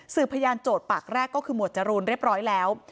พยานโจทย์ปากแรกก็คือหมวดจรูนเรียบร้อยแล้ว